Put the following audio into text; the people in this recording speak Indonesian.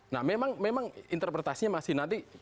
nah memang interpretasinya masih nanti